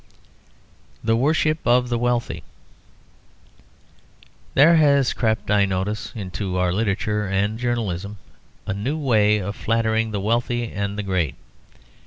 THE WORSHIP OF THE WEALTHY There has crept, I notice, into our literature and journalism a new way of flattering the wealthy and the great.